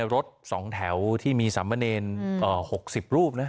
รถสองแถวที่มีสามเมอร์เนน๖๐รูปนะ